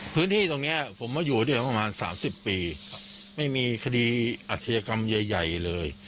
พื้นที่ตรงเนี้ยผมมาอยู่ด้วยประมาณสามสิบปีครับไม่มีคดีอัศยกรรมใหญ่ใหญ่เลย